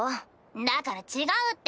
だから違うって。